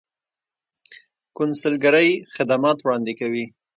کونسلګرۍ خدمات وړاندې کوي